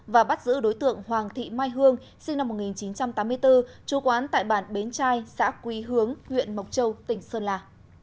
và bắt giữ đối tượng hoàng thị mai hương sinh năm một nghìn chín trăm tám mươi bốn chú quán tại bản bến trai xã quy hướng huyện mộc châu tỉnh sơn la